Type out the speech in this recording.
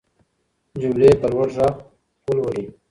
جملې په لوړ غږ ولولئ.